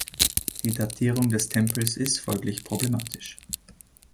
Die Datierung des Tempels ist folglich problematisch.